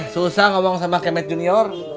susah ngomong sama kemet junior